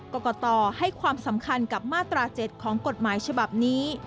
กรกตให้ความสำคัญกับมาตรา๗ของกฎหมายฉบับนี้